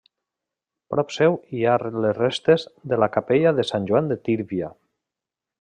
Prop seu hi ha les restes de la capella de Sant Joan de Tírvia.